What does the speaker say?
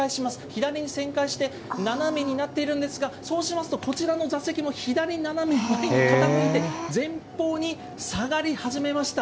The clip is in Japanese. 左に旋回して、斜めになっているんですが、そうしますと、こちらの座席も左斜め前に傾いて、前方に下がり始めました。